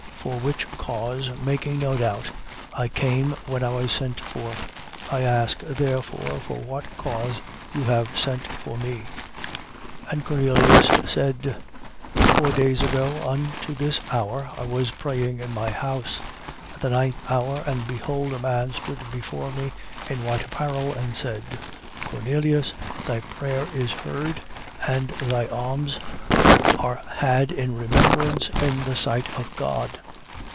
10:29. For which cause, making no doubt, I came when I was sent for. I ask, therefore, for what cause you have sent for me? 10:30. And Cornelius said: Four days ago, unto this hour, I was praying in my house, at the ninth hour and behold a man stood before me in white apparel and said: 10:31. Cornelius, thy prayer is heard and thy alms are had in remembrance in the sight of God.